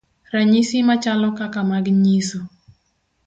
Ranyisi machalo kaka mag nyiso